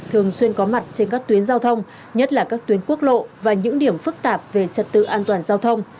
thường xuyên có mặt trên các tuyến giao thông nhất là các tuyến quốc lộ và những điểm phức tạp về trật tự an toàn giao thông